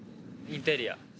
インテリア。